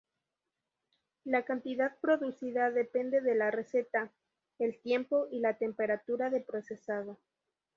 La cantidad producida depende de la receta, el tiempo y la temperatura de procesado.